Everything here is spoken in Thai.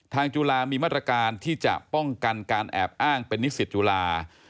จุฬามีมาตรการที่จะป้องกันการแอบอ้างเป็นนิสิตจุฬา